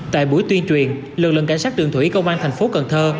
tại buổi tuyên truyền lực lượng cảnh sát đường thủy công an thành phố cần thơ